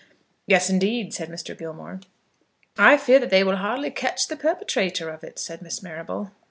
"Yes, indeed," said Mr. Gilmore. "I fear that they will hardly catch the perpetrator of it," said Miss Marrable.